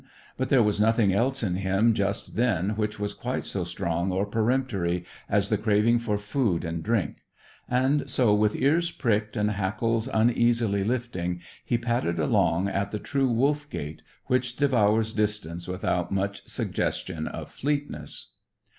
But there was nothing else in him just then which was quite so strong or peremptory as the craving for food and drink; and so, with ears pricked, and hackles uneasily lifting, he padded along at the true wolf gait, which devours distance without much suggestion of fleetness.